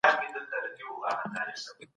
ناوړه اهداف نه لټول کېږي.